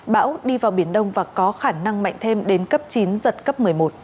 bão đi vào biển đông và có khả năng mạnh thêm đến cấp chín giật cấp một mươi một